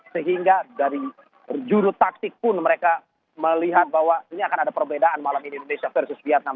sehingga dari berjuru taktik pun mereka melihat bahwa ini akan ada perbedaan malam ini indonesia versus vietnam